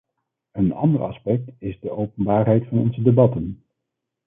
Een andere aspect is de openbaarheid van onze debatten.